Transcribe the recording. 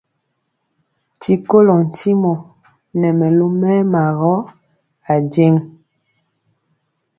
D@Ti kolɔ ntimɔ nɛ mɛlu mɛɛma gɔ ajeŋg.